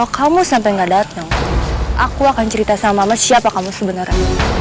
inget ya kalau kamu sampai enggak datang aku akan cerita sama siapa kamu sebenarnya